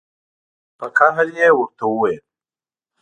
په قهر یې ورته وویل.